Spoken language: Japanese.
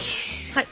はい。